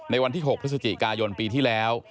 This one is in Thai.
วันที่๖พฤศจิกายนปีที่แล้ว